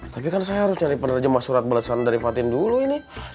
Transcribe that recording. tapi kan saya harus cari penerjemah surat balasan dari patin dulu ini